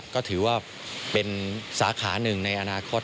ก็ถือว่าเป็นสาขาหนึ่งในอนาคต